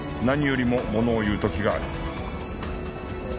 何よりもものを言う時がある